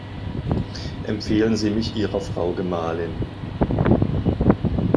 Empfehlen Sie mich Ihrer Frau Gemahlin!